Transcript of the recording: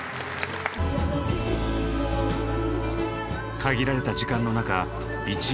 限られた時間の中一音